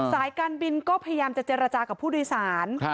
สายการบินก็พยายามจะเจรจากับผู้โดยสาร